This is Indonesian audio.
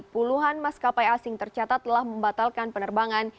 puluhan maskapai asing tercatat telah membatalkan penerbangan